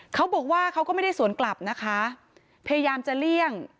เขาก็ไม่ได้สวนกลับนะคะพยายามจะเลี่ยง